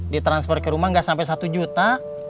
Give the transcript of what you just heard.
ditransfer ke rumah nggak sampai satu juta